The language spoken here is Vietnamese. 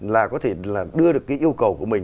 là có thể là đưa được cái yêu cầu của mình